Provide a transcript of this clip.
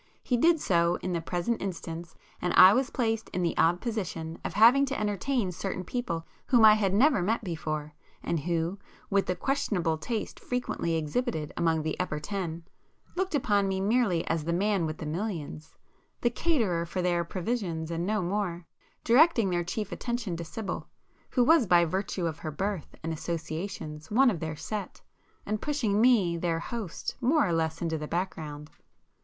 He did so in the present instance, and I was placed in the odd position of having to entertain certain people whom I had never met before, and who, with the questionable taste frequently exhibited among the 'upper ten,' looked upon [p 333] me merely as "the man with the millions," the caterer for their provisions, and no more,—directing their chief attention to Sibyl, who was by virtue of her birth and associations one of their 'set,' and pushing me, their host, more or less into the background.